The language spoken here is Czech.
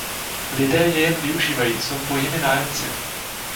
Lidé je jen využívají, jsou pouhými nájemci.